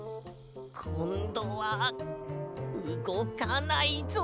こんどはうごかないぞ。